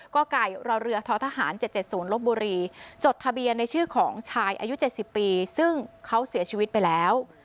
กรทธหน๗๗๐รบจธอในชื่อของชายอายุ๗๐ปีซึ่งเขาเสียชีวิตไปแล้ว